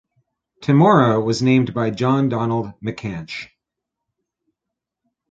Temora was named by John Donald McCansh.